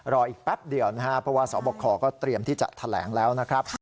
รออีกแป๊บเดียวนะครับเพราะว่าสบคก็เตรียมที่จะแถลงแล้วนะครับ